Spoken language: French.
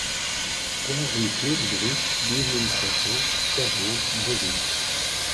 trois rue Claux de Brousse, douze mille trois cent quarante Bozouls